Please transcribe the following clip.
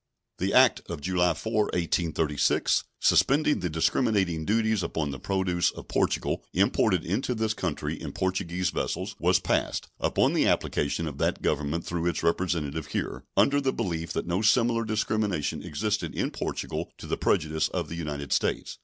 The act of July 4, 1836, suspending the discriminating duties upon the produce of Portugal imported into this country in Portuguese vessels, was passed, upon the application of that Government through its representative here, under the belief that no similar discrimination existed in Portugal to the prejudice of the United States.